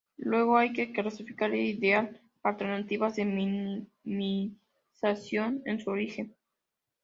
Luego hay que clasificar e idear alternativas de minimización en su origen.